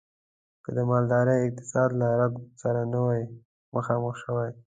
که د مالدارۍ اقتصاد له رکود سره نه وی مخامخ شوی.